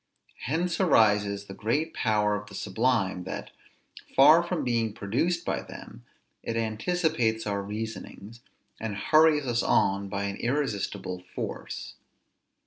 Hence arises the great power of the sublime, that, far from being produced by them, it anticipates our reasonings, and hurries us on by an irresistible force.